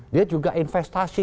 dia juga investasi